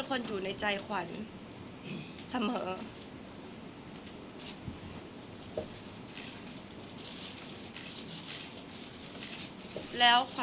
คนเราถ้าใช้ชีวิตมาจนถึงอายุขนาดนี้แล้วค่ะ